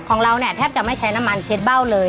ของเราเนี่ยแทบจะไม่ใช้น้ำมันเช็ดเบ้าเลย